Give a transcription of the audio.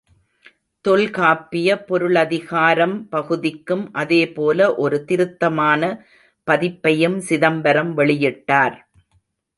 தொல்காப்பிய பொருளதிகாரம் பகுதிக்கும் அதே போல ஒரு திருத்தமான பதிப்பையும் சிதம்பரம் வெளியிட்டார்.